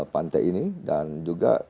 pantai ini dan juga